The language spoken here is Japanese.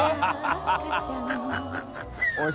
ハハハ